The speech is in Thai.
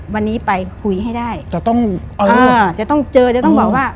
วันนี้ไปคุยให้ได้จะต้องอ่าจะต้องจะต้องเจอจะต้องบอกว่า